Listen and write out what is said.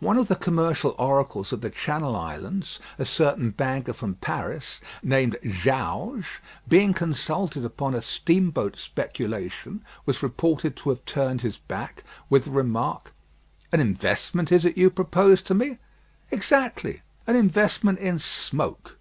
One of the commercial oracles of the Channel Islands, a certain banker from Paris, named Jauge, being consulted upon a steamboat speculation, was reported to have turned his back, with the remark, "An investment is it you propose to me? Exactly; an investment in smoke."